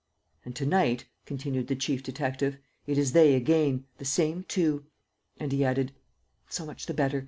"And to night," continued the chief detective, "it is they again: the same two." And he added, "So much the better.